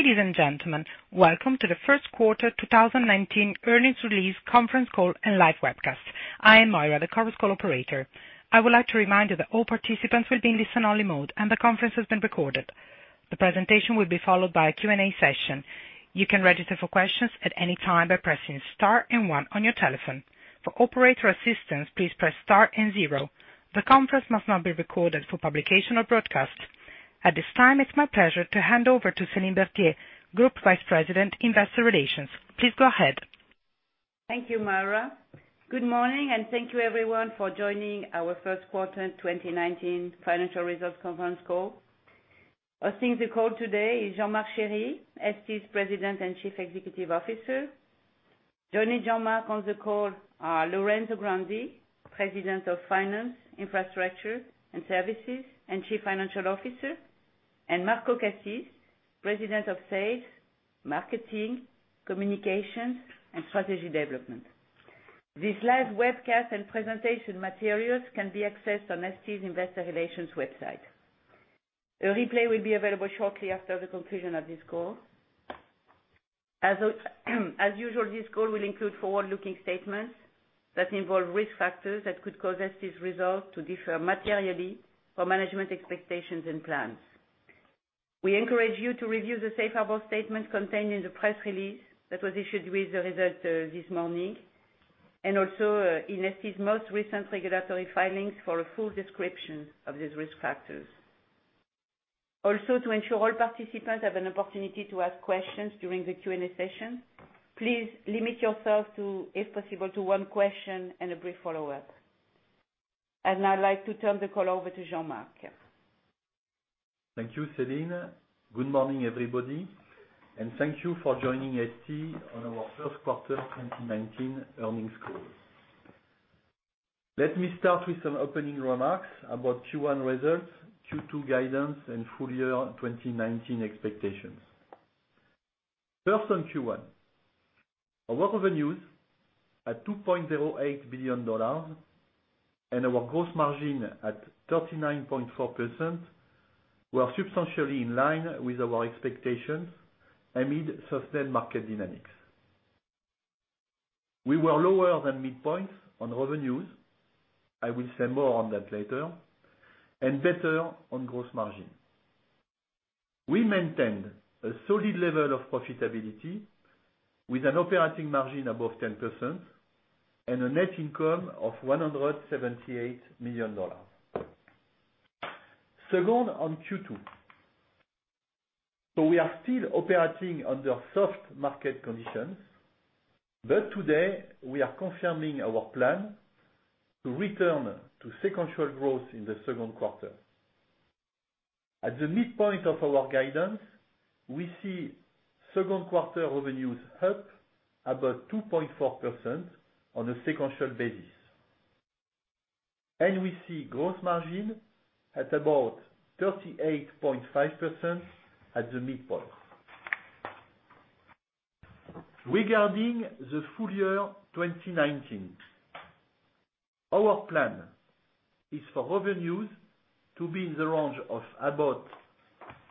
Ladies and gentlemen, welcome to the first quarter 2019 earnings release conference call and live webcast. I am Moira, the conference call operator. I would like to remind you that all participants will be in listen-only mode, and the conference is being recorded. The presentation will be followed by a Q&A session. You can register for questions at any time by pressing star and one on your telephone. For operator assistance, please press star and zero. The conference must not be recorded for publication or broadcast. At this time, it's my pleasure to hand over to Céline Berthier, Group Vice President, Investor Relations. Please go ahead. Thank you, Moira. Good morning, thank you everyone for joining our first quarter 2019 financial results conference call. Hosting the call today is Jean-Marc Chéry, STMicroelectronics's President and Chief Executive Officer. Joining Jean-Marc on the call are Lorenzo Grandi, President of Finance, Infrastructure, and Services, and Chief Financial Officer, Marco Cassis, President of Sales, Marketing, Communications, and Strategy Development. This live webcast and presentation materials can be accessed on STMicroelectronics's Investor Relations website. A replay will be available shortly after the conclusion of this call. As usual, this call will include forward-looking statements that involve risk factors that could cause STMicroelectronics's results to differ materially from management expectations and plans. We encourage you to review the safe harbor statement contained in the press release that was issued with the results this morning also in STMicroelectronics's most recent regulatory filings for a full description of these risk factors. Also, to ensure all participants have an opportunity to ask questions during the Q&A session, please limit yourself, if possible, to one question and a brief follow-up. I'd like to turn the call over to Jean-Marc. Thank you, Céline. Good morning, everybody, thank you for joining ST on our first quarter 2019 earnings call. Let me start with some opening remarks about Q1 results, Q2 guidance, full-year 2019 expectations. First, on Q1. Our revenues at $2.08 billion our gross margin at 39.4% were substantially in line with our expectations amid sustained market dynamics. We were lower than midpoints on revenues, I will say more on that later, better on gross margin. We maintained a solid level of profitability with an operating margin above 10% a net income of $178 million. Second, on Q2. We are still operating under soft market conditions, today we are confirming our plan to return to sequential growth in the second quarter. At the midpoint of our guidance, we see second quarter revenues up about 2.4% on a sequential basis, and we see gross margin at about 38.5% at the midpoint. Regarding the full year 2019, our plan is for revenues to be in the range of about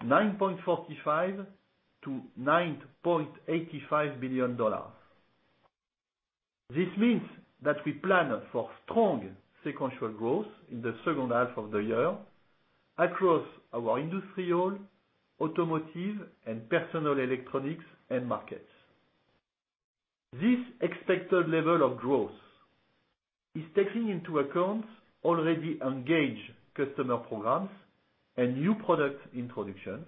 $9.45 billion to $9.85 billion. This means that we plan for strong sequential growth in the second half of the year across our industrial, automotive, and personal electronics end markets. This expected level of growth is taking into account already engaged customer programs and new product introductions.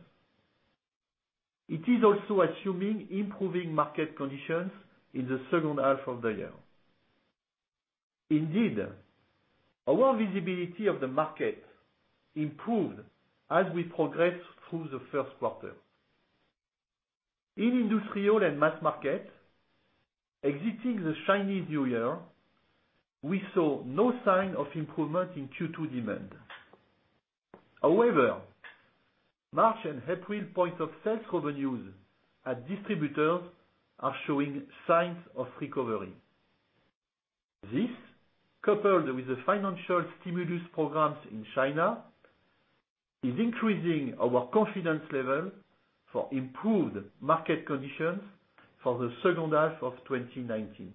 It is also assuming improving market conditions in the second half of the year. Indeed, our visibility of the market improved as we progressed through the first quarter. In industrial and mass market, exiting the Chinese New Year, we saw no sign of improvement in Q2 demand. March and April point-of-sale revenues at distributors are showing signs of recovery. This, coupled with the financial stimulus programs in China, is increasing our confidence level for improved market conditions for the second half of 2019.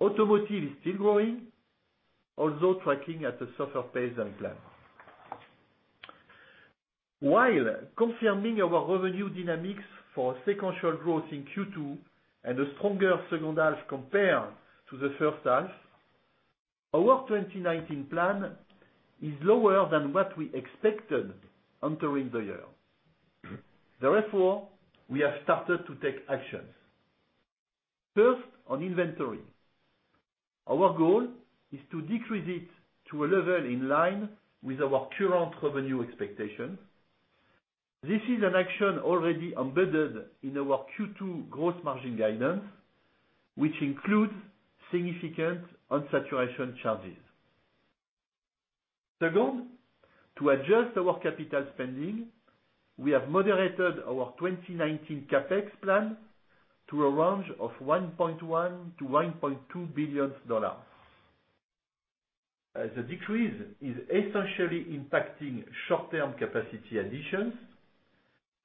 Automotive is still growing, although tracking at a softer pace than planned. While confirming our revenue dynamics for sequential growth in Q2 and a stronger second half compared to the first half, our 2019 plan is lower than what we expected entering the year. We have started to take actions. First, on inventory. Our goal is to decrease it to a level in line with our current revenue expectation. This is an action already embedded in our Q2 gross margin guidance, which includes significant unsaturation charges. Second, to adjust our capital spending, we have moderated our 2019 CapEx plan to a range of $1.1 billion to $1.2 billion. The decrease is essentially impacting short-term capacity additions.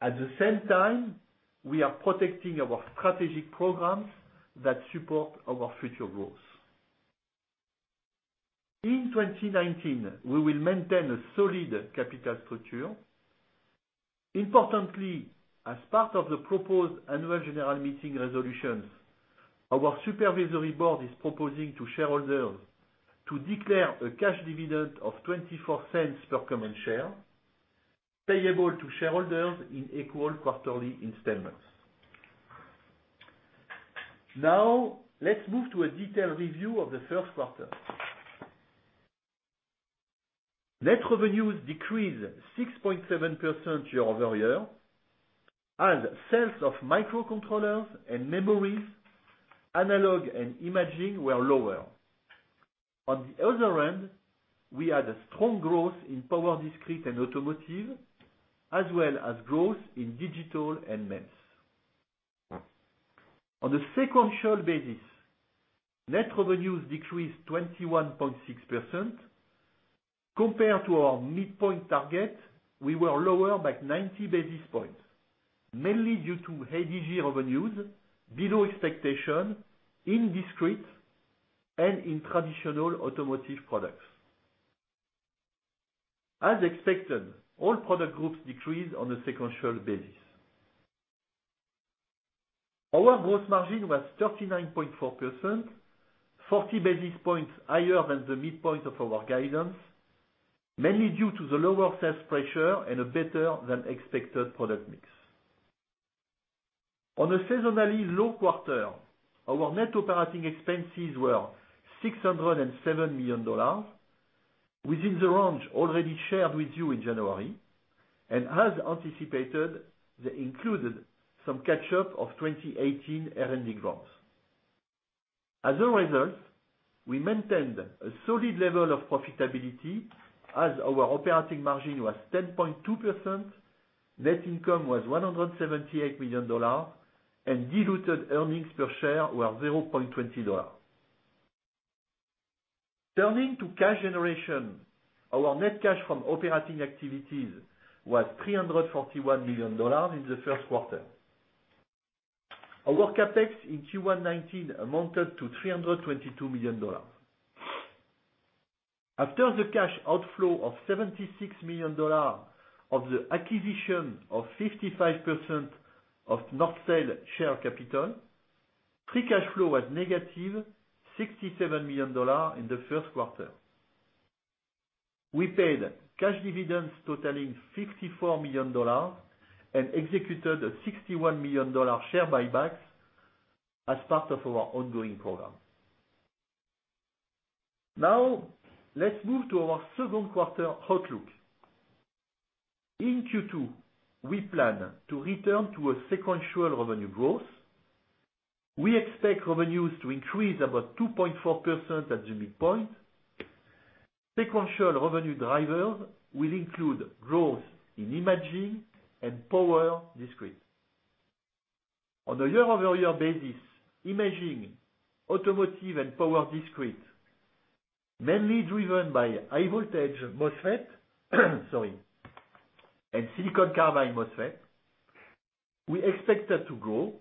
At the same time, we are protecting our strategic programs that support our future growth. In 2019, we will maintain a solid capital structure. Importantly, as part of the proposed annual general meeting resolutions, our supervisory board is proposing to shareholders to declare a cash dividend of $0.24 per common share, payable to shareholders in equal quarterly installments. Let's move to a detailed review of the first quarter. Net revenues decreased 6.7% year-over-year as sales of microcontrollers and memories, analog and imaging were lower. On the other end, we had a strong growth in power discrete and automotive, as well as growth in digital and MEMS. On a sequential basis, net revenues decreased 21.6%. Compared to our midpoint target, we were lower by 90 basis points, mainly due to ADG revenues below expectation in discrete and in traditional automotive products. As expected, all product groups decreased on a sequential basis. Our gross margin was 39.4%, 40 basis points higher than the midpoint of our guidance, mainly due to the lower sales pressure and a better-than-expected product mix. On a seasonally low quarter, our net operating expenses were $607 million, within the range already shared with you in January, and as anticipated, they included some catch-up of 2018 R&D grants. As a result, we maintained a solid level of profitability as our operating margin was 10.2%, net income was $178 million, and diluted earnings per share were $0.20. Turning to cash generation, our net cash from operating activities was $341 million in the first quarter. Our CapEx in Q1 '19 amounted to $322 million. After the cash outflow of $76 million of the acquisition of 55% of Norstel share capital, free cash flow was negative $67 million in the first quarter. We paid cash dividends totaling $54 million and executed a $61 million share buybacks as part of our ongoing program. Now, let's move to our second quarter outlook. In Q2, we plan to return to a sequential revenue growth. We expect revenues to increase about 2.4% at the midpoint. Sequential revenue drivers will include growth in imaging and power discrete. On a year-over-year basis, imaging, automotive, and power discrete, mainly driven by high voltage MOSFET, sorry, and silicon carbide MOSFET, we expect that to grow,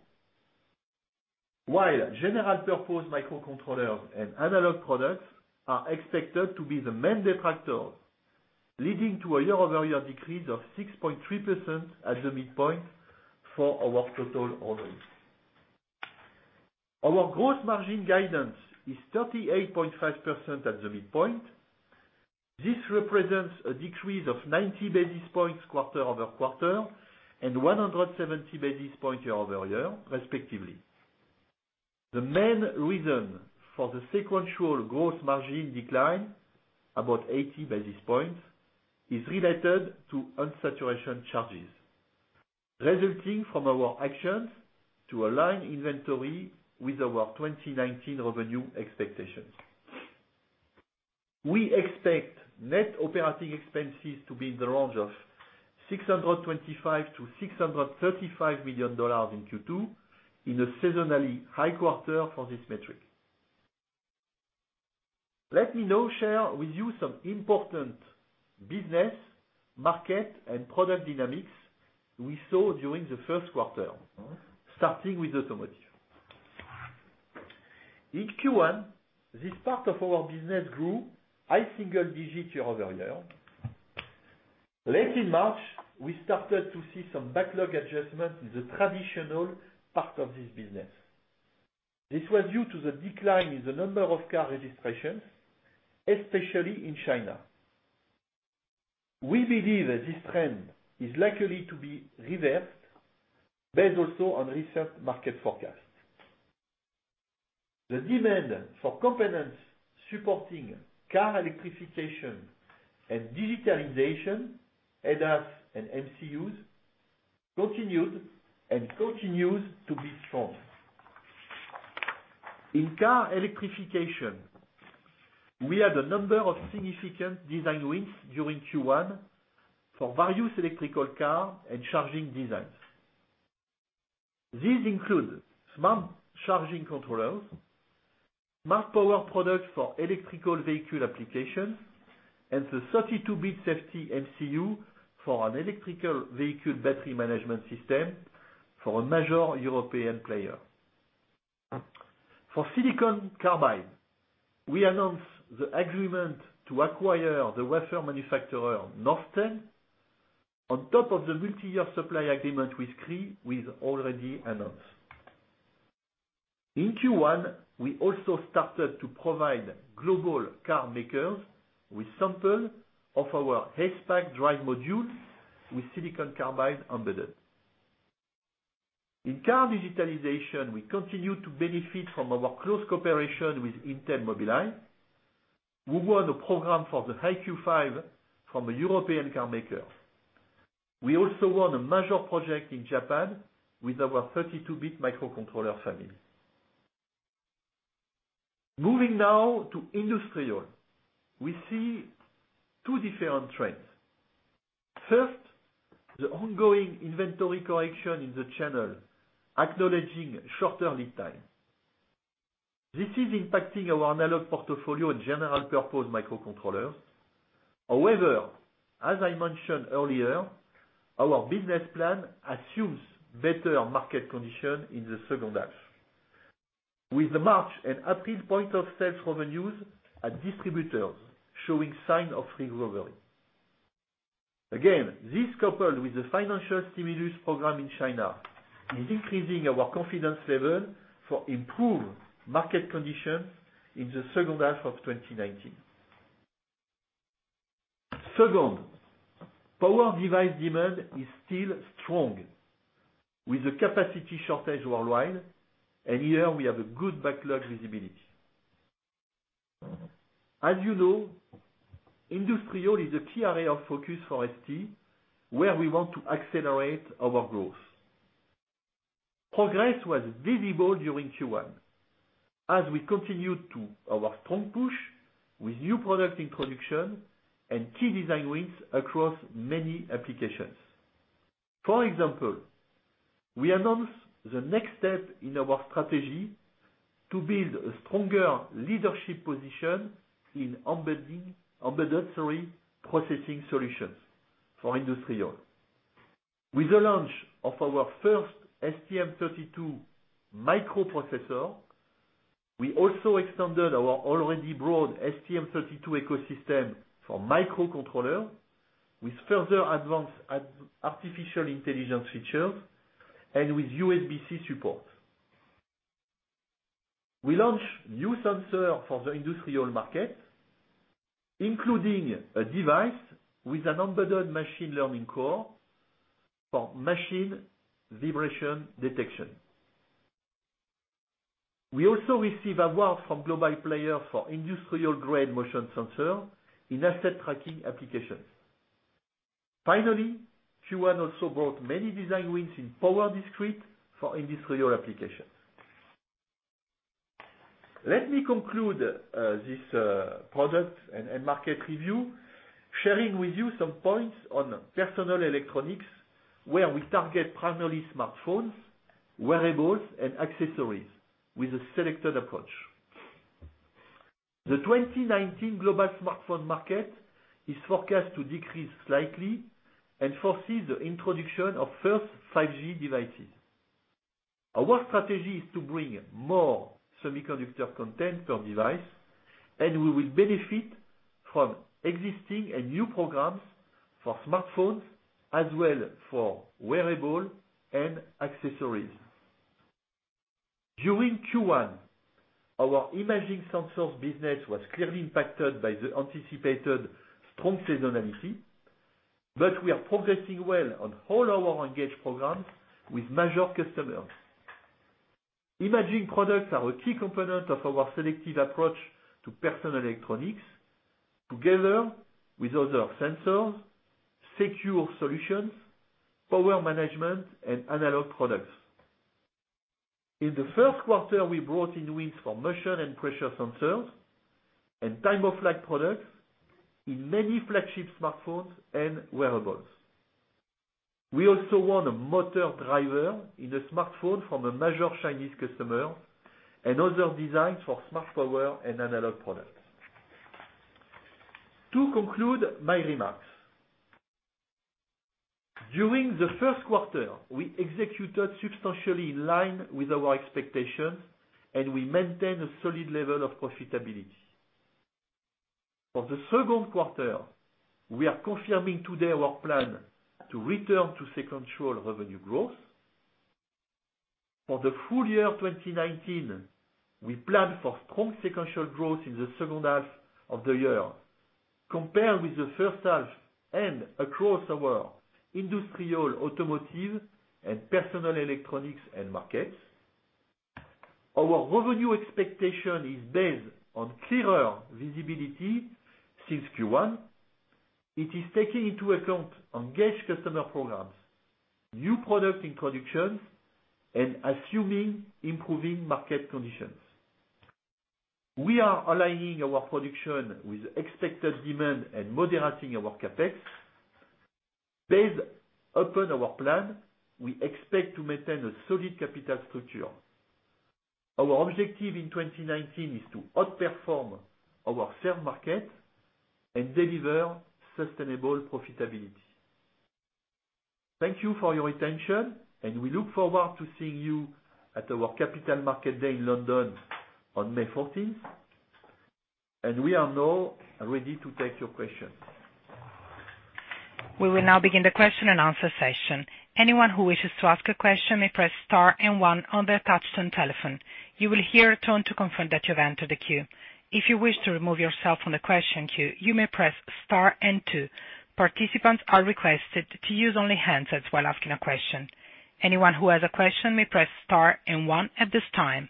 while general purpose microcontrollers and analog products are expected to be the main detractors, leading to a year-over-year decrease of 6.3% at the midpoint for our total revenues. Our gross margin guidance is 38.5% at the midpoint. This represents a decrease of 90 basis points quarter-over-quarter and 170 basis points year-over-year respectively. The main reason for the sequential gross margin decline, about 80 basis points, is related to unsaturation charges, resulting from our actions to align inventory with our 2019 revenue expectations. We expect net operating expenses to be in the range of $625 million-$635 million in Q2 in a seasonally high quarter for this metric. Let me now share with you some important business, market, and product dynamics we saw during the first quarter, starting with automotive. In Q1, this part of our business grew high single digit year-over-year. Late in March, we started to see some backlog adjustments in the traditional part of this business. This was due to the decline in the number of car registrations, especially in China. We believe this trend is likely to be reversed based also on recent market forecasts. The demand for components supporting car electrification and digitalization, ADAS and MCUs, continued and continues to be strong. In car electrification, we had a number of significant design wins during Q1 for various electrical car and charging designs. These include smart charging controllers, smart power products for electrical vehicle applications, and the 32-bit safety MCU for an electrical vehicle battery management system for a major European player. For silicon carbide, we announced the agreement to acquire the wafer manufacturer Norstel on top of the multi-year supply agreement with Cree we've already announced. In Q1, we also started to provide global car makers with samples of our ACEPACK drive modules with silicon carbide embedded. In car digitalization, we continue to benefit from our close cooperation with Intel Mobileye, who won a program for the EyeQ5 from a European car maker. We also won a major project in Japan with our 32-bit microcontroller family. Moving now to industrial. We see two different trends. First, the ongoing inventory correction in the channel, acknowledging shorter lead time. This is impacting our analog portfolio and general-purpose microcontrollers. However, as I mentioned earlier, our business plan assumes better market condition in the second half. With the March and April point-of-sale revenues at distributors showing signs of recovery. Again, this coupled with the financial stimulus program in China, is increasing our confidence level for improved market conditions in the second half of 2019. Second, power device demand is still strong, with a capacity shortage worldwide, and here we have a good backlog visibility. As you know, industrial is a key area of focus for ST, where we want to accelerate our growth. Progress was visible during Q1, as we continued our strong push with new product introduction and key design wins across many applications. For example, we announced the next step in our strategy to build a stronger leadership position in embedded sensory processing solutions for industrial. With the launch of our first STM32 microprocessor, we also extended our already broad STM32 ecosystem for microcontroller, with further advanced artificial intelligence features and with USB-C support. We launched new sensor for the industrial market, including a device with an embedded machine learning core for machine vibration detection. We also receive award from global player for industrial-grade motion sensor in asset tracking applications. Finally, Q1 also brought many design wins in power discrete for industrial applications. Let me conclude this product and market review, sharing with you some points on personal electronics, where we target primarily smartphones, wearables, and accessories with a selected approach. The 2019 global smartphone market is forecast to decrease slightly and foresees the introduction of first 5G devices. Our strategy is to bring more semiconductor content per device, and we will benefit from existing and new programs for smartphones, as well for wearable and accessories. During Q1, our imaging sensors business was clearly impacted by the anticipated strong seasonality, but we are progressing well on all our engaged programs with major customers. Imaging products are a key component of our selective approach to personal electronics, together with other sensors, secure solutions, power management, and analog products. In the first quarter, we brought in wins for motion and pressure sensors and Time-of-Flight products in many flagship smartphones and wearables. We also won a motor driver in a smartphone from a major Chinese customer and other designs for smart power and analog products. To conclude my remarks, during the first quarter, we executed substantially in line with our expectations, and we maintain a solid level of profitability. For the second quarter, we are confirming today our plan to return to sequential revenue growth. For the full year 2019, we plan for strong sequential growth in the second half of the year. Compared with the first half and across our industrial, automotive, and personal electronics end markets, our revenue expectation is based on clearer visibility since Q1. It is taking into account engaged customer programs, new product introductions, and assuming improving market conditions. We are aligning our production with expected demand and moderating our CapEx. Based upon our plan, we expect to maintain a solid capital structure. Our objective in 2019 is to outperform our served market and deliver sustainable profitability. Thank you for your attention, and we look forward to seeing you at our Capital Markets Day in London on May 14th, and we are now ready to take your questions. We will now begin the question and answer session. Anyone who wishes to ask a question may press star and one on their touch-tone telephone. You will hear a tone to confirm that you have entered the queue. If you wish to remove yourself from the question queue, you may press star and two. Participants are requested to use only handsets while asking a question. Anyone who has a question may press star and one at this time.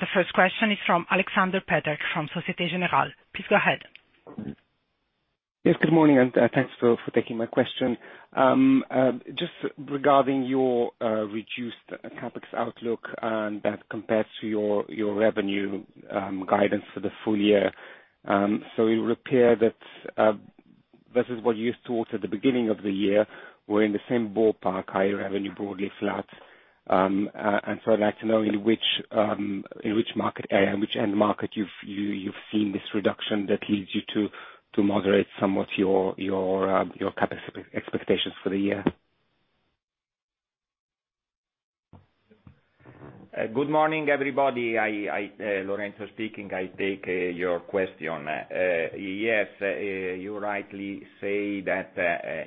The first question is from Alexander Peterc from Société Générale. Please go ahead. Yes, good morning, and thanks for taking my question. Just regarding your reduced CapEx outlook and that compared to your revenue guidance for the full year. It would appear that versus what you thought at the beginning of the year, we're in the same ballpark, higher revenue, broadly flat. I'd like to know in which end market you've seen this reduction that leads you to moderate some of your capacity expectations for the year. Good morning, everybody. Lorenzo speaking. I take your question. Yes, you rightly say that,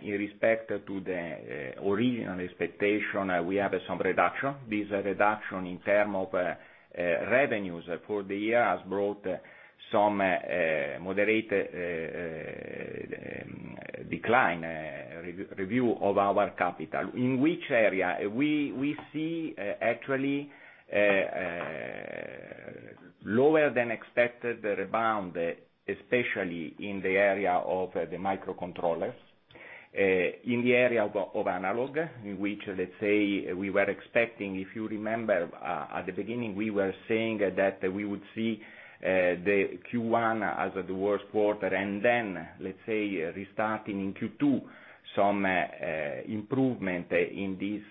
in respect to the original expectation, we have some reduction. This reduction in term of revenues for the year has brought some moderate decline, review of our capital. In which area? We see actually lower than expected rebound, especially in the area of the microcontrollers. In the area of analog, which, let's say, we were expecting, if you remember, at the beginning, we were saying that we would see the Q1 as the worst quarter, and then, let's say, restarting in Q2, some improvement in these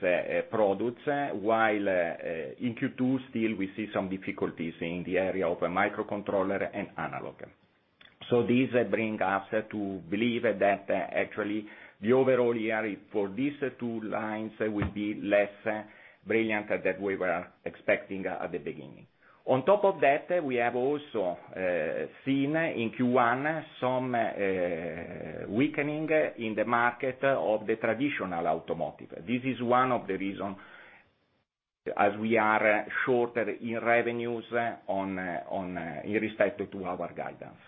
products, while in Q2 still we see some difficulties in the area of microcontroller and analog. This bring us to believe that actually the overall year for these two lines will be less brilliant than we were expecting at the beginning. On top of that, we have also seen in Q1 some weakening in the market of the traditional automotive. This is one of the reason as we are shorter in revenues in respect to our guidance.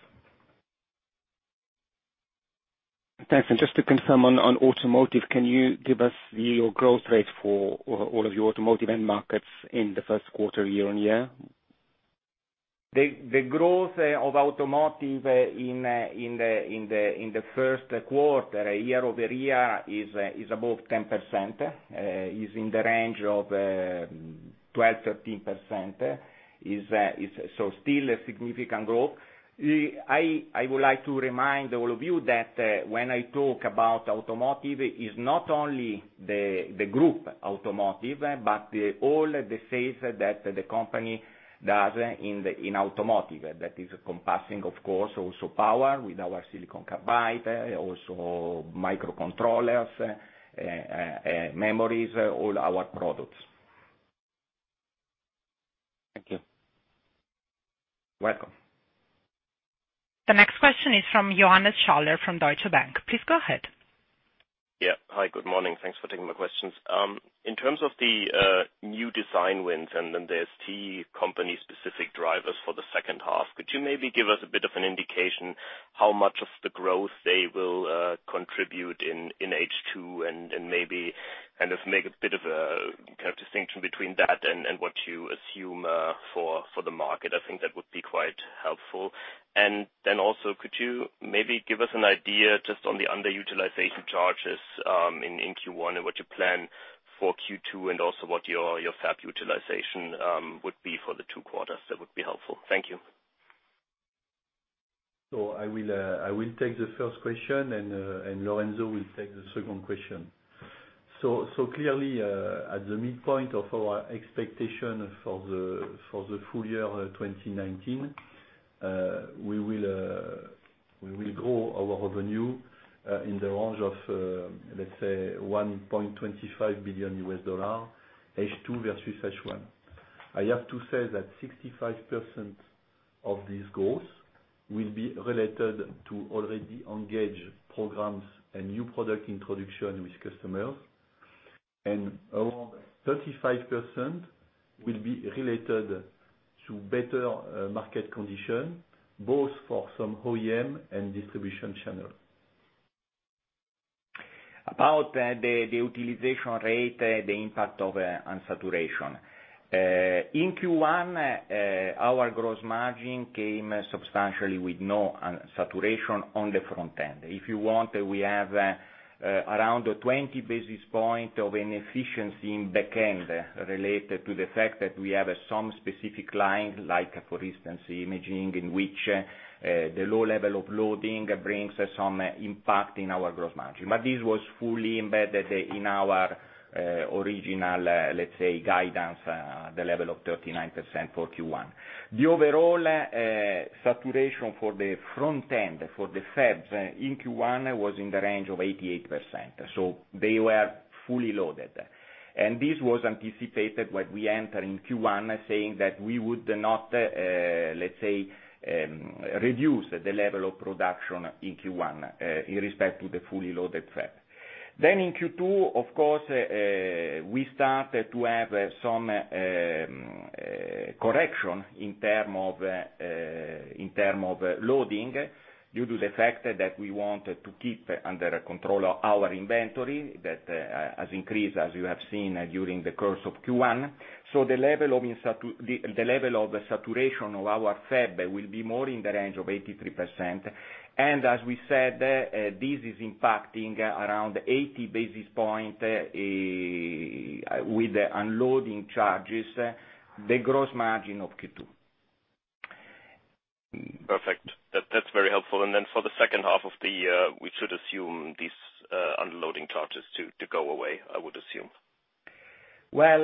Thanks. Just to confirm on automotive, can you give us your growth rate for all of your automotive end markets in the first quarter year-on-year? The growth of automotive in the first quarter year-over-year is above 10%, is in the range of 12%-13%. Still a significant growth. I would like to remind all of you that when I talk about automotive, it is not only the group automotive, but all the sales that the company does in automotive. That is encompassing, of course, also power with our silicon carbide, also microcontrollers, memories, all our products. Thank you. Welcome. The next question is from Johannes Schaller from Deutsche Bank. Please go ahead. Hi, good morning. Thanks for taking my questions. In terms of the new design wins and then the STMicroelectronics company specific drivers for the second half, could you maybe give us a bit of an indication how much of the growth they will contribute in H2 and, maybe kind of make a bit of a kind of distinction between that and what you assume for the market? I think that would be quite helpful. Could you maybe give us an idea just on the underutilization charges in Q1 and what you plan for Q2 and also what your fab utilization would be for the two quarters? That would be helpful. Thank you. I will take the first question, and Lorenzo will take the second question. Clearly, at the midpoint of our expectation for the full year 2019, we will grow our revenue in the range of, let's say, $1.25 billion US H2 versus H1. I have to say that 65% of this growth will be related to already engaged programs and new product introduction with customers, and around 35% will be related to better market condition, both for some OEM and distribution channel. About the utilization rate, the impact of underutilization. In Q1, our gross margin came substantially with no saturation on the front end. If you want, we have around a 20 basis points of an efficiency in back end, related to the fact that we have some specific line, like for instance, imaging, in which the low level of loading brings some impact in our gross margin. This was fully embedded in our original, let's say, guidance, the level of 39% for Q1. The overall saturation for the front end, for the fabs in Q1 was in the range of 88%, so they were fully loaded. This was anticipated when we enter in Q1, saying that we would not, let's say, reduce the level of production in Q1, in respect to the fully loaded fab. In Q2, of course, we started to have some correction in terms of loading due to the fact that we want to keep under control our inventory that has increased, as you have seen during the course of Q1. The level of saturation of our fab will be more in the range of 83%. As we said, this is impacting around 80 basis points, with the underutilization charges, the gross margin of Q2. Perfect. That's very helpful. For the second half of the year, we should assume these unloading charges to go away, I would assume. Well,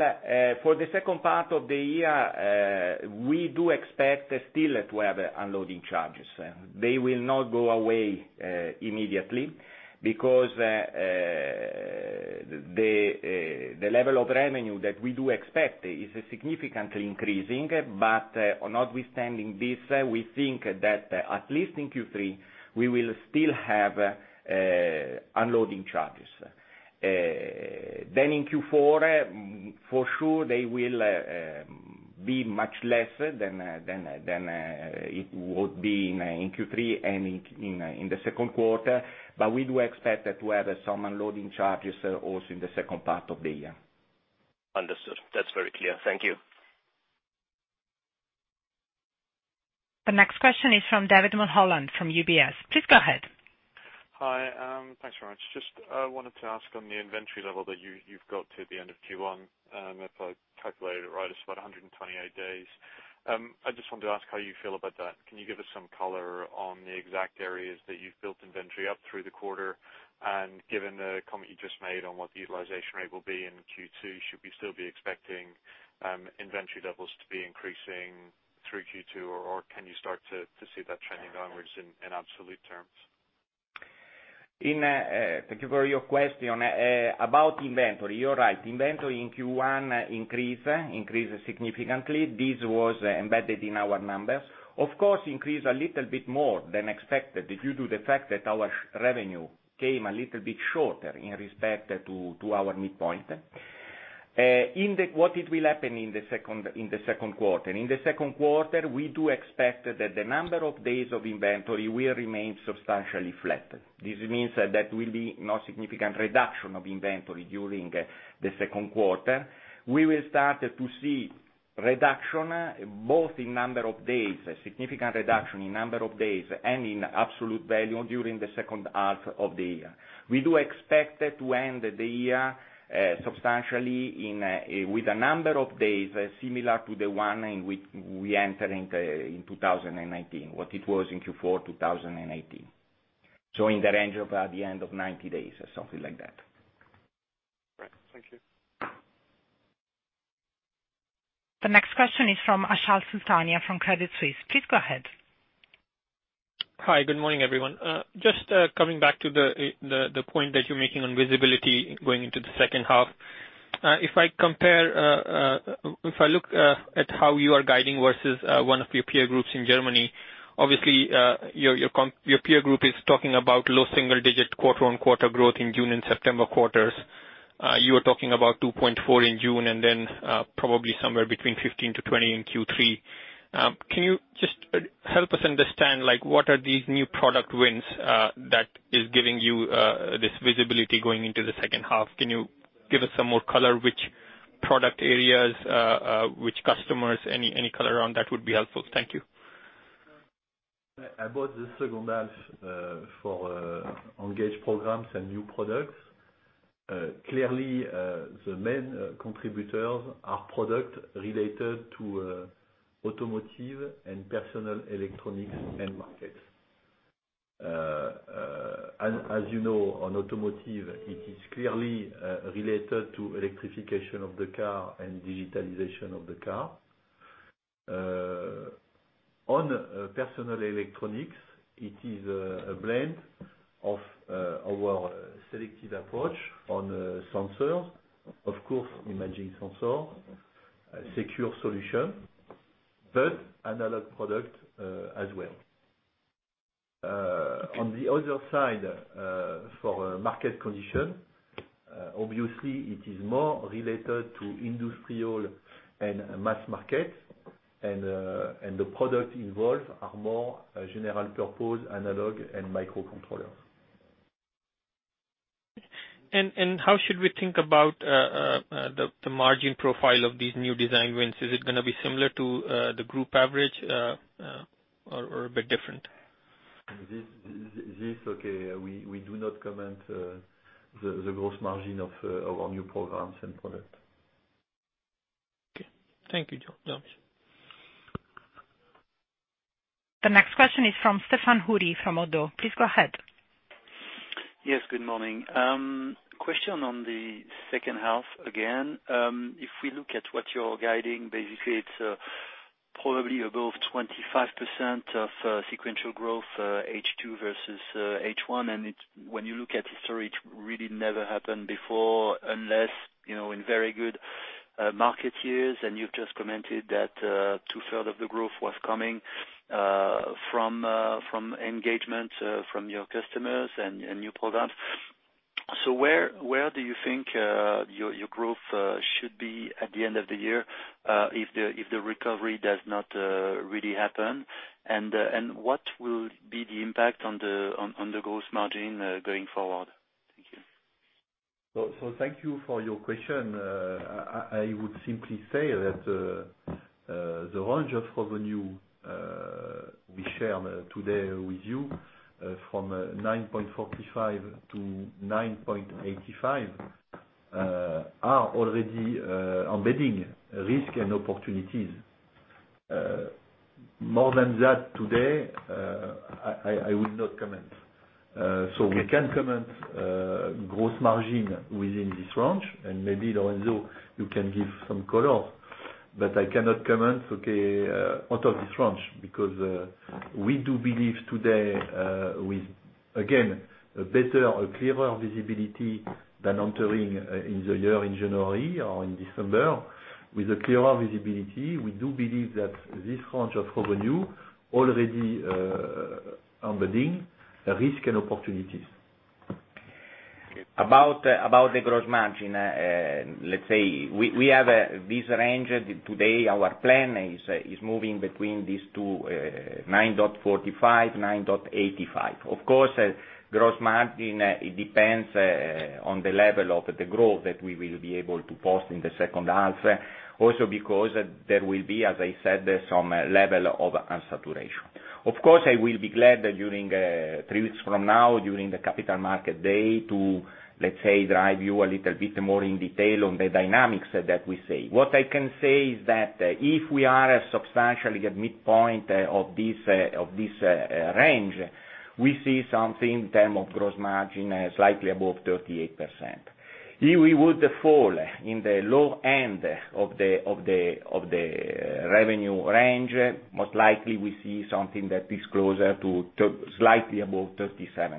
for the second part of the year, we do expect still to have unloading charges. They will not go away immediately because the level of revenue that we do expect is significantly increasing. Notwithstanding this, we think that at least in Q3, we will still have unloading charges. In Q4, for sure, they will be much less than it would be in Q3 and in the second quarter. We do expect to have some unloading charges also in the second part of the year. Understood. That's very clear. Thank you. The next question is from David Mulholland from UBS. Please go ahead. Thanks very much. Just wanted to ask on the inventory level that you've got to the end of Q1, if I calculated it right, it is about 128 days. I just wanted to ask how you feel about that. Can you give us some color on the exact areas that you've built inventory up through the quarter? Given the comment you just made on what the utilization rate will be in Q2, should we still be expecting inventory levels to be increasing through Q2, or can you start to see that trending downwards in absolute terms? Thank you for your question. About inventory, you are right. Inventory in Q1 increased significantly. This was embedded in our numbers. Of course, increased a little bit more than expected due to the fact that our revenue came a little bit shorter in respect to our midpoint. What will happen in the second quarter? In the second quarter, we do expect that the number of days of inventory will remain substantially flat. This means that will be no significant reduction of inventory during the second quarter. We will start to see reduction, both in number of days, a significant reduction in number of days and in absolute value during the second half of the year. We do expect to end the year substantially with a number of days similar to the one in which we enter in 2019, what it was in Q4 2018. In the range of the end of 90 days or something like that. Great. Thank you. The next question is from Achal Sultania, from Credit Suisse. Please go ahead. Hi, good morning, everyone. Just coming back to the point that you're making on visibility going into the second half. If I look at how you are guiding versus one of your peer groups in Germany, obviously, your peer group is talking about low single digit quarter-over-quarter growth in June and September quarters. You are talking about 2.4 in June and then probably somewhere between 15%-20% in Q3. Can you just help us understand what are these new product wins that is giving you this visibility going into the second half? Can you give us some more color which product areas, which customers, any color around that would be helpful. Thank you. About the second half for engaged programs and new products, clearly, the main contributors are product related to automotive and personal electronics end markets. As you know, on automotive, it is clearly related to electrification of the car and digitalization of the car. On personal electronics, it is a blend of our selected approach on sensors, of course, imaging sensor, secure solution, but analog product as well. On the other side, for market condition, obviously, it is more related to industrial and mass market. The product involved are more general purpose analog and microcontrollers. How should we think about the margin profile of these new design wins? Is it going to be similar to the group average or a bit different? Okay, we do not comment the gross margin of our new programs and product. Okay. Thank you, Jean. The next question is from Stéphane Houri from ODDO. Please go ahead. Yes, good morning. Question on the second half again. If we look at what you're guiding, basically it's probably above 25% of sequential growth, H2 versus H1. When you look at history, it really never happened before unless in very good market years. You've just commented that two-third of the growth was coming from engagement from your customers and new products. Where do you think your growth should be at the end of the year, if the recovery does not really happen? What will be the impact on the gross margin going forward? Thank you. Thank you for your question. I would simply say that the range of revenue we share today with you, from $9.45 billion-$9.85 billion, are already embedding risk and opportunities. More than that today, I will not comment. We can comment gross margin within this range, and maybe Lorenzo, you can give some color. I cannot comment, okay, out of this range. We do believe today with, again, a better, a clearer visibility than entering in the year in January or in December. With a clearer visibility, we do believe that this range of revenue already embedding risk and opportunities. Okay. About the gross margin, we have this range today. Our plan is moving between these two, 9.45, 9.85. Of course, gross margin, it depends on the level of the growth that we will be able to post in the second half. Also because there will be, as I said, some level of unsaturation. Of course, I will be glad that during, three weeks from now, during the Capital Markets Day to drive you a little bit more in detail on the dynamics that we see. What I can say is that if we are substantially at midpoint of this range, we see something in term of gross margin, slightly above 38%. If we would fall in the low end of the revenue range, most likely we see something that is closer to slightly above 37%.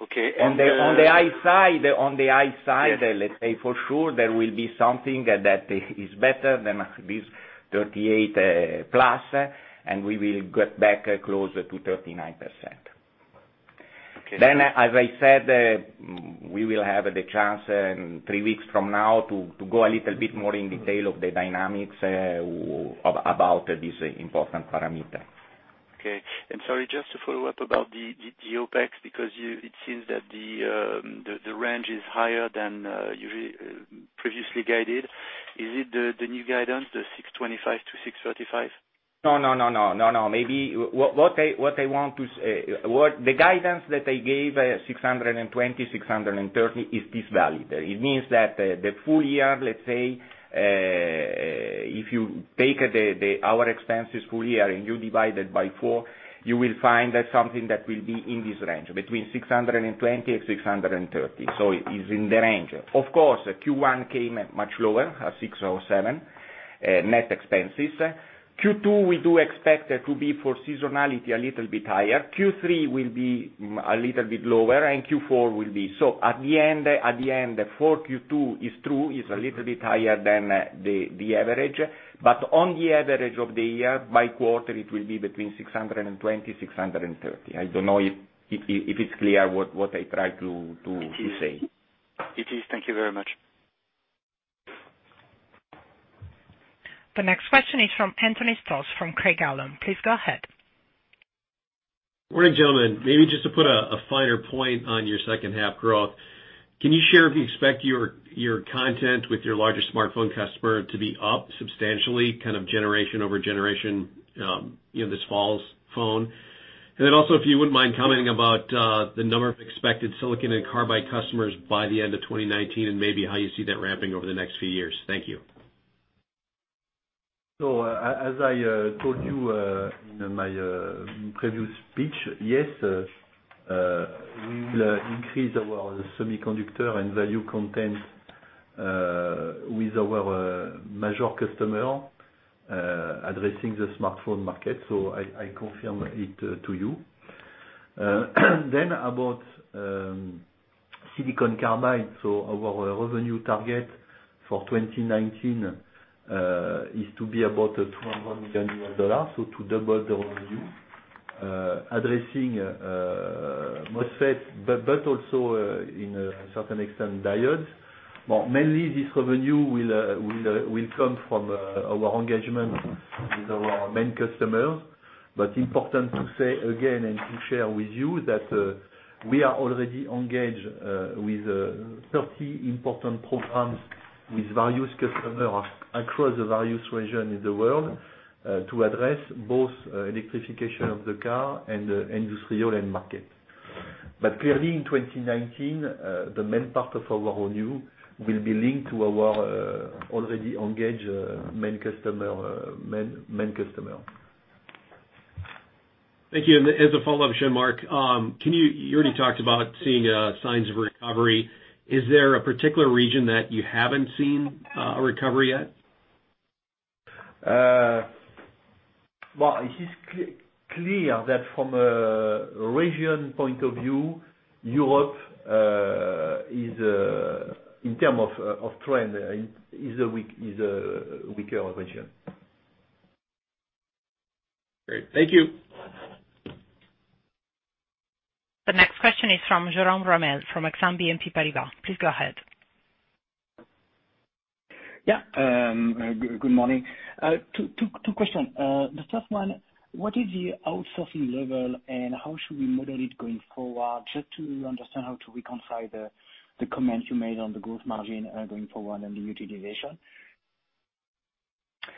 Okay. On the high side, for sure there will be something that is better than this 38%+, we will get back closer to 39%. Okay. As I said, we will have the chance in three weeks from now to go a little bit more in detail of the dynamics about this important parameter. Okay. Sorry, just to follow up about the OpEx, because it seems that the range is higher than you previously guided. Is it the new guidance, the $625 million- $635 million? No. Maybe, what I want to say. The guidance that I gave, $625 million-$635 million is this value. It means that the full year, let's say, if you take our expenses full year and you divide it by four, you will find that something that will be in this range, between $625 million-$635 million. It is in the range. Of course, Q1 came much lower, at 607 net expenses. Q2, we do expect it to be, for seasonality, a little bit higher. Q3 will be a little bit lower, and Q4 will be. At the end, the four Q2 is true, is a little bit higher than the average. On the average of the year, by quarter, it will be between $625 million-$635 million. I don't know if it's clear what I try to say. It is. Thank you very much. The next question is from Anthony Stoss from Craig-Hallum. Please go ahead. Morning, gentlemen. Maybe just to put a finer point on your second half growth. Can you share if you expect your content with your larger smartphone customer to be up substantially, kind of generation over generation, this fall's phone? If you wouldn't mind commenting about the number of expected silicon carbide customers by the end of 2019, and maybe how you see that ramping over the next few years. Thank you. As I told you in my previous speech, yes, we will increase our semiconductor and value content, with our major customer, addressing the smartphone market. I confirm it to you. About silicon carbide, our revenue target for 2019 is to be about $200 million. To double the revenue, addressing MOSFET, also in a certain extent, diodes. Mainly, this revenue will come from our engagement with our main customers. Important to say again, and to share with you that we are already engaged with 30 important programs with various customers across the various regions in the world, to address both electrification of the car and the industrial end market. Clearly, in 2019, the main part of our revenue will be linked to our already engaged main customers. Thank you. As a follow-up, Jean-Marc, you already talked about seeing signs of recovery. Is there a particular region that you haven't seen a recovery yet? Well, it is clear that from a region point of view, Europe, in terms of trend, is a weaker region. Great. Thank you. The next question is from Jérôme Ramel of Exane BNP Paribas. Please go ahead. Yeah. Good morning. Two questions. The first one, what is the outsourcing level, and how should we model it going forward just to understand how to reconcile the comments you made on the gross margin going forward and the utilization?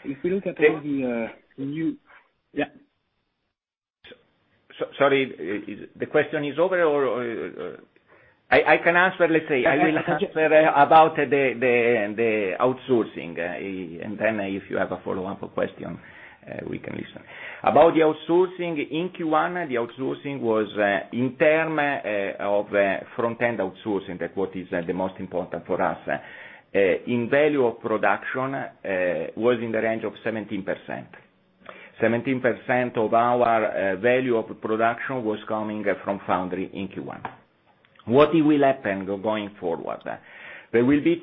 If we look at the new. Sorry, the question is over, or? I can answer, let's say, I will answer about the outsourcing, and then if you have a follow-up question, we can listen. About the outsourcing, in Q1, the outsourcing was in terms of frontend outsourcing, that what is the most important for us. In value of production, was in the range of 17%. 17% of our value of production was coming from foundry in Q1. What will happen going forward? There will be,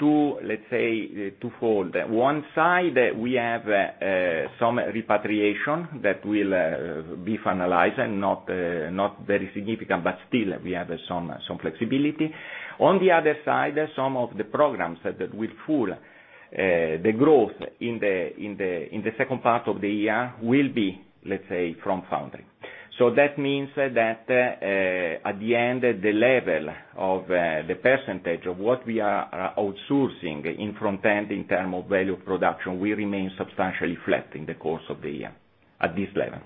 let's say, two-fold. One side, we have some repatriation that will be finalized and not very significant, but still, we have some flexibility. On the other side, some of the programs that will fuel the growth in the second part of the year will be, let's say, from foundry. That means that at the end, the level of the percentage of what we are outsourcing in frontend in terms of value production will remain substantially flat in the course of the year at this level.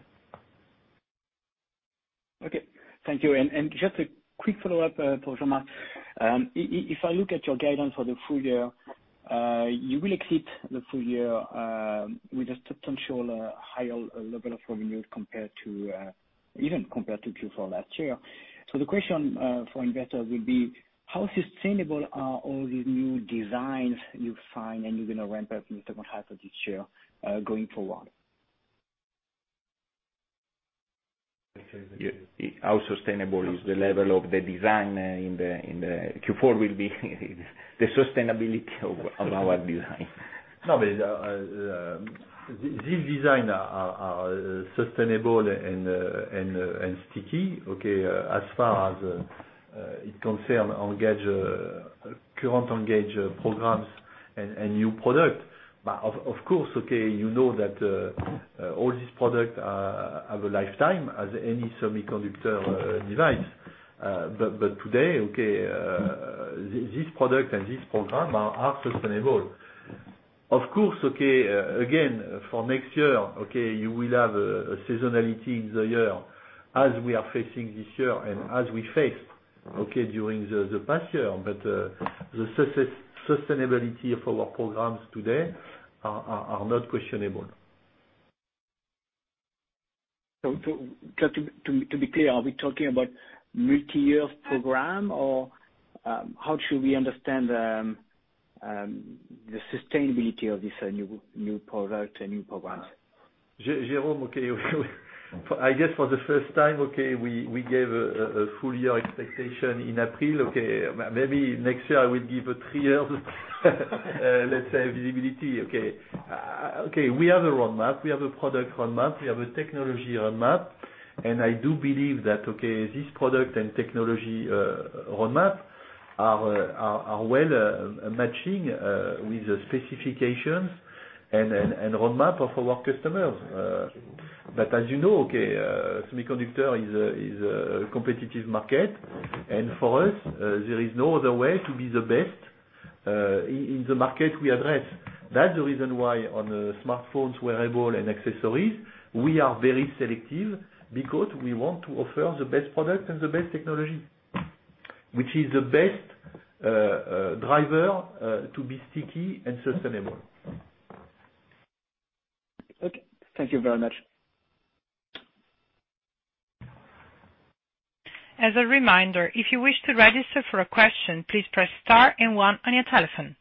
Okay. Thank you. Just a quick follow-up for Jean-Marc. If I look at your guidance for the full year, you will exit the full year with a substantial higher level of revenue even compared to Q4 last year. The question for investors will be, how sustainable are all these new designs you find, and you're going to ramp up in the second half of this year, going forward? How sustainable is the level of the design in the Q4 will be the sustainability of our design. This design are sustainable and sticky, okay, as far as it concern current engaged programs and new product. Of course, okay, you know that all these product have a lifetime as any semiconductor device. Today, okay, this product and this program are sustainable. Of course, okay, again, for next year, okay, you will have a seasonality in the year as we are facing this year and as we faced, okay, during the past year. The sustainability of our programs today are not questionable. Just to be clear, are we talking about multiyear program, or how should we understand the sustainability of this new product and new programs? Jérôme, okay, I guess for the first time, okay, we gave a full year expectation in April, okay. Maybe next year I will give a three years let's say, visibility, okay. We have a roadmap, we have a product roadmap, we have a technology roadmap, and I do believe that, okay, this product and technology roadmap are well matching with the specifications and roadmap of our customers. As you know, okay, semiconductor is a competitive market, and for us, there is no other way to be the best in the market we address. That's the reason why on smartphones, wearable, and accessories, we are very selective because we want to offer the best product and the best technology, which is the best driver to be sticky and sustainable. Okay. Thank you very much. As a reminder, if you wish to register for a question, please press star and one on your telephone.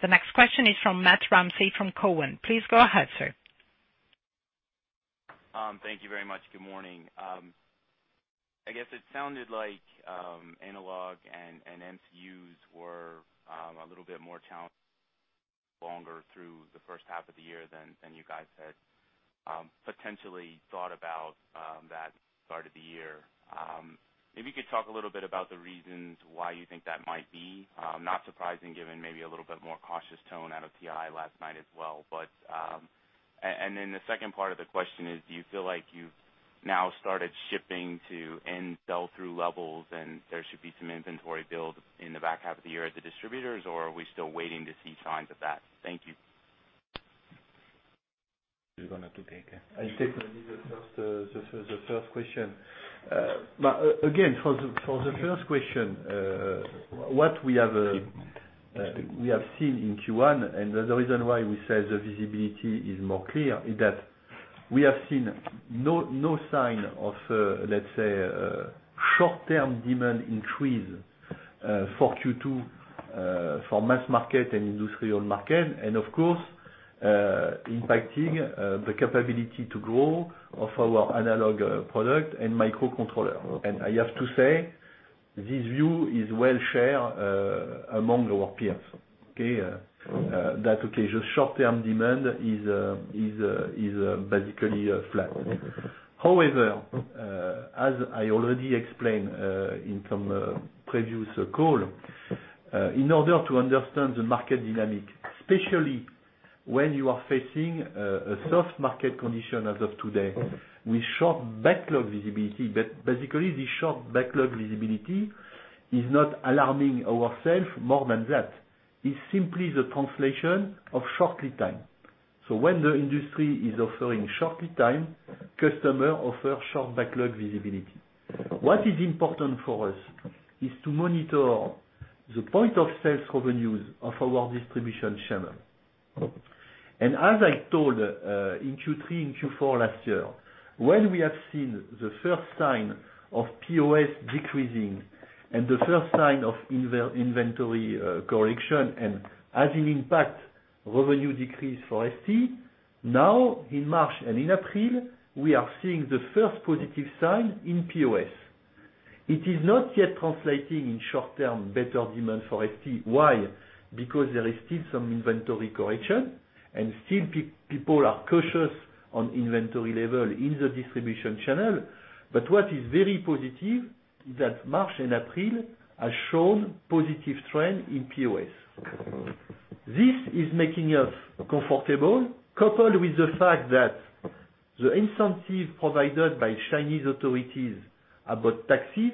The next question is from Matthew Ramsay from Cowen. Please go ahead, sir. Thank you very much. Good morning. I guess it sounded like analog and MCUs were a little bit more challenging longer through the first half of the year than you guys had potentially thought about that start of the year. Maybe you could talk a little bit about the reasons why you think that might be. Not surprising, given maybe a little bit more cautious tone out of TI last night as well. The second part of the question is, do you feel like you've now started shipping to end sell-through levels, and there should be some inventory build in the back half of the year at the distributors, or are we still waiting to see signs of that? Thank you. Who's going to take it? I take maybe the first question. Again, for the first question, what we have seen in Q1, and the reason why we say the visibility is more clear, is that we have seen no sign of, let's say, short-term demand increase for Q2 for mass market and industrial market. Of course, impacting the capability to grow of our analog product and microcontroller. I have to say, this view is well-shared among our peers, okay? That, okay, the short-term demand is basically flat. However, as I already explained in some previous call, in order to understand the market dynamic, especially when you are facing a soft market condition as of today, with short backlog visibility. Basically, the short backlog visibility is not alarming ourselves more than that. It is simply the translation of short lead time. When the industry is offering short lead time, customer offer short backlog visibility. What is important for us is to monitor the point of sales revenues of our distribution channel. As I told in Q3 and Q4 last year, when we have seen the first sign of POS decreasing and the first sign of inventory correction, and as an impact, revenue decrease for STMicroelectronics. In March and in April, we are seeing the first positive sign in POS. It is not yet translating in short-term better demand for STMicroelectronics. Why? Because there is still some inventory correction, and still people are cautious on inventory level in the distribution channel. What is very positive is that March and April has shown positive trend in POS. This is making us comfortable, coupled with the fact that the incentive provided by Chinese authorities about taxes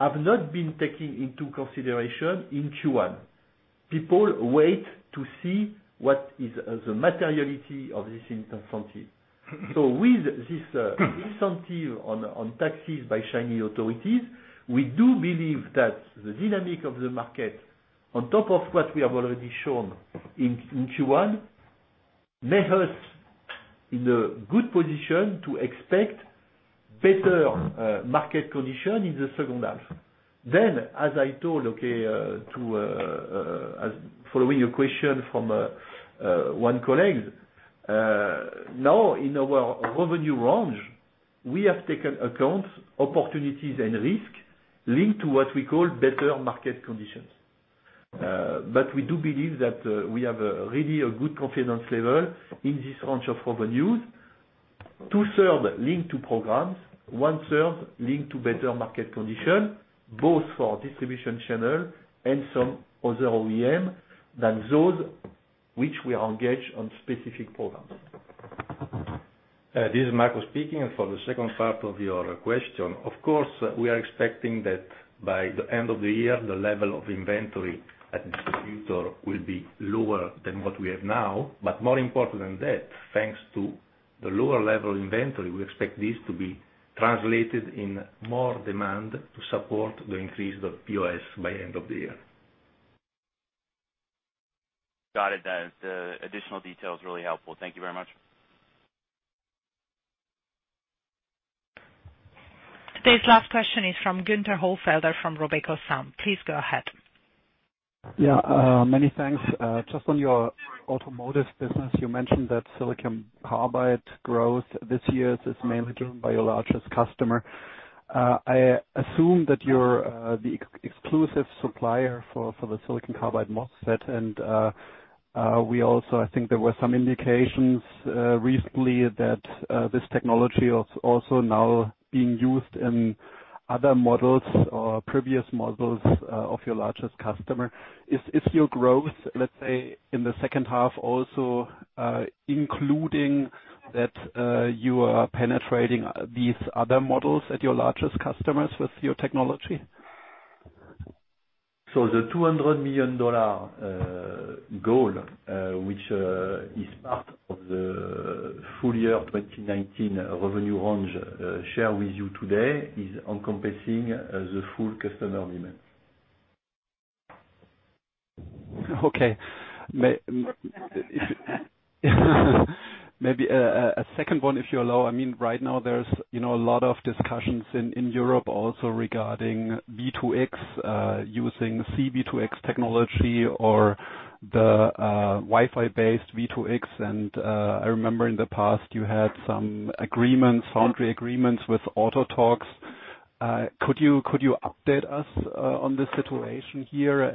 have not been taken into consideration in Q1. People wait to see what is the materiality of this incentive. With this incentive on taxes by Chinese authorities, we do believe that the dynamic of the market, on top of what we have already shown in Q1, make us in a good position to expect better market condition in the second half. As I told, okay, following a question from one colleague. In our revenue range, we have taken account opportunities and risk linked to what we call better market conditions. We do believe that we have really a good confidence level in this range of revenues. Two-thirds linked to programs, one-third linked to better market condition, both for distribution channel and some other OEM than those which we are engaged on specific programs. This is Marco speaking, for the second part of your question, of course, we are expecting that by the end of the year, the level of inventory at distributor will be lower than what we have now. More important than that, thanks to the lower level inventory, we expect this to be translated in more demand to support the increase of POS by end of the year. Got it. The additional detail is really helpful. Thank you very much. Today's last question is from Guenther Hollfelder from Robeco. Please go ahead. Yeah, many thanks. Just on your automotive business, you mentioned that silicon carbide growth this year is mainly driven by your largest customer. I assume that you're the exclusive supplier for the silicon carbide MOSFET. We also, I think there were some indications recently that this technology is also now being used in other models or previous models of your largest customer. Is your growth, let's say, in the second half also, including that you are penetrating these other models at your largest customers with your technology? The $200 million goal, which is part of the full year 2019 revenue range share with you today, is encompassing the full customer demand. Okay. Maybe a second one, if you allow. Right now, there's a lot of discussions in Europe also regarding V2X, using C-V2X technology or the Wi-Fi-based V2X, I remember in the past you had some foundry agreements with Autotalks. Could you update us on the situation here,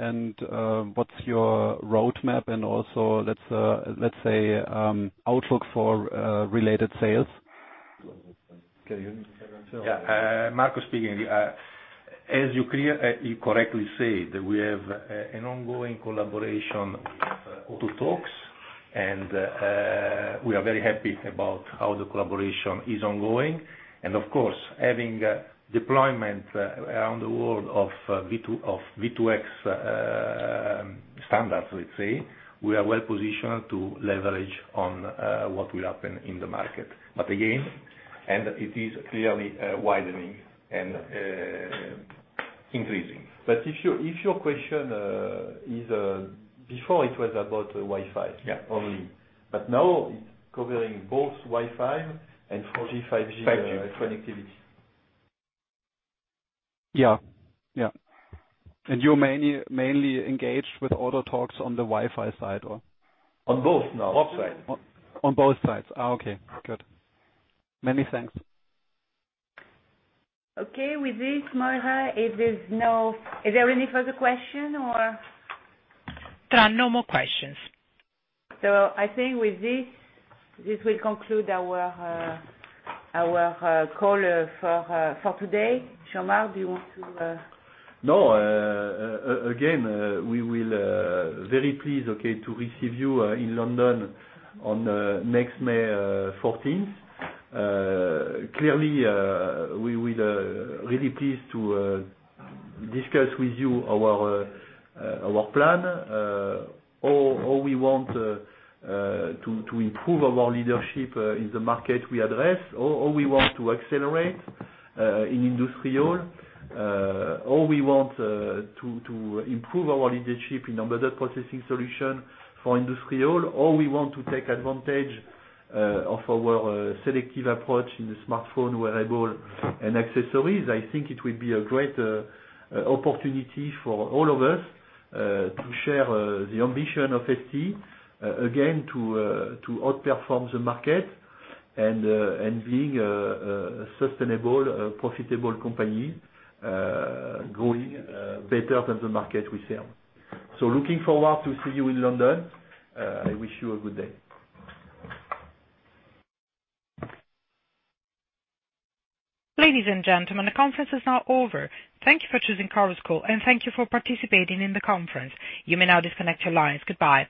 what's your roadmap, also, let's say, outlook for related sales? Can you hear me? Yeah. Marco speaking. As you correctly said, we have an ongoing collaboration, Autotalks, and we are very happy about how the collaboration is ongoing. Of course, having deployment around the world of V2X standards, let's say, we are well-positioned to leverage on what will happen in the market. Again, it is clearly widening and increasing. If your question is, before it was about Wi-Fi. Yeah. Only. Now it's covering both Wi-Fi and 4G, 5G. 5G connectivity. Yeah. You're mainly engaged with Autotalks on the Wi-Fi side, or? On both now. Both sides. On both sides. Okay, good. Many thanks. Okay. With this, Moira, is there any further question, or? There are no more questions. I think with this will conclude our call for today. Jean-Marc, do you want to? No. Again, we will very pleased, okay, to receive you in London on next May 14th. Clearly, we will really pleased to discuss with you our plan, how we want to improve our leadership in the market we address, how we want to accelerate in industrial, how we want to improve our leadership in embedded processing solution for industrial, how we want to take advantage of our selective approach in the smartphone, wearable, and accessories. I think it will be a great opportunity for all of us to share the ambition of STMicroelectronics, again, to outperform the market and being a sustainable, profitable company, growing better than the market we serve. Looking forward to see you in London. I wish you a good day. Ladies and gentlemen, the conference is now over. Thank you for choosing Chorus Call, and thank you for participating in the conference. You may now disconnect your lines. Goodbye.